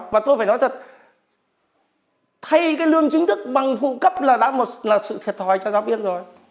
và tôi phải nói thật thay cái lương chính thức bằng phụ cấp là đã một sự thiệt hòi cho giáo viên rồi